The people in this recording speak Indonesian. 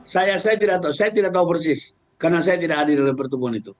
saya tidak tahu persis karena saya tidak hadir dalam pertemuan itu